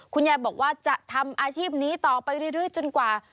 คุณยายบอกว่าจะทำอาชีพนี้ต่อไปเรื่อยจนกว่า